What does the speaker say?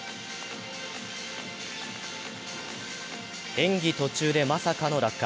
演技途中でまさかの落下。